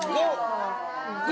５！